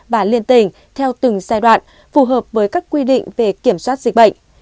và liên tình theo từng giai đoạn phù hợp với các quy định về kiểm soát dịch bệnh